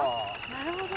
なるほど。